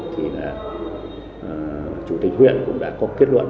thì là chủ tịch huyện cũng đã có kết luận